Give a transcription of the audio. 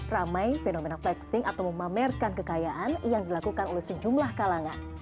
ramai fenomena flexing atau memamerkan kekayaan yang dilakukan oleh sejumlah kalangan